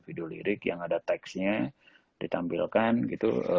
video lirik yang ada teksnya ditampilkan gitu